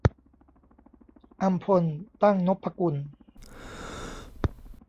อำพล ตั้งนพกุล